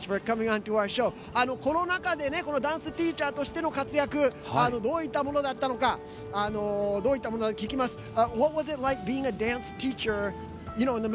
コロナ禍でダンスティーチャーとしての活躍、どういったものだったのか聴きます。